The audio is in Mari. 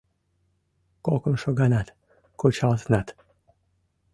— Кокымшо ганат кучалтынат.